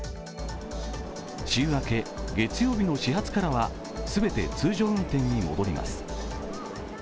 週明け月曜日の始発からはすべて通常運転に戻ります。